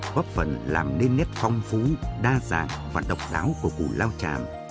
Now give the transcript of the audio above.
bóp phần làm nên nét phong phú đa dạng và độc đáo của củ lao chạm